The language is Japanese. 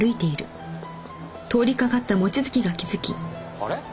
あれ？